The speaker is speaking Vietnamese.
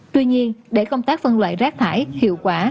tuy nhiên để công tác phân loại rác thải hiệu quả